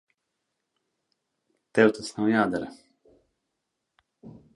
Tev tas nav jādara.